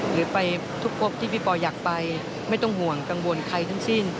หรือไปทุกพบที่พี่ปออยากไปไม่ต้องห่วงกังวลใครทั้งสิ้น